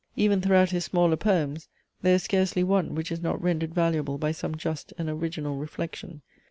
Even throughout his smaller poems there is scarcely one, which is not rendered valuable by some just and original reflection.